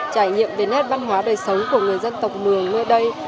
trải nghiệm đến hết văn hóa đời sống của người dân tộc mường nơi đây